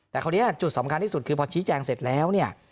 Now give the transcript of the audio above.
แต่คราวนี้จุดสำคัญที่สุดคือพอชี้แจงเสร็จแล้วเนี่ย